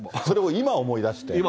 今、思い出して。